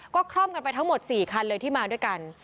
ก็คล่อมกันไปทั้งหมด๔คันเลยที่มาด้วยกัน